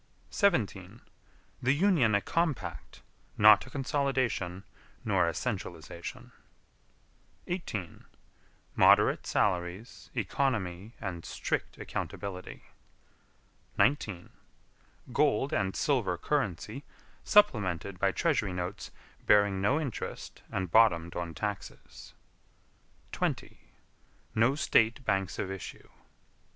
17. The Union a compact not a consolidation nor a centralization. 18. Moderate salaries, economy and strict accountability. 19. Gold and silver currency supplemented by treasury notes bearing no interest and bottomed on taxes. 20. No State banks of issue.